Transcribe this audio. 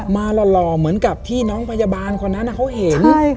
มาหล่อเหมือนกับที่น้องพยาบาลเขาเห็น